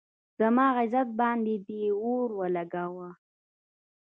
زما عزت باندې دې اور ولږاونه